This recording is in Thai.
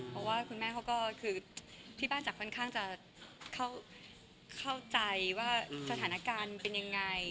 เพราะว่าคุณแม่เขาก็คือที่บ้านจะค่อนข้างจะเข้าใจว่าสถานการณ์เป็นยังไง